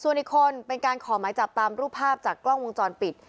ส่วนอีกคนเป็นการขอหมายจับตามรูปภาพจากกล้องวงจรปิด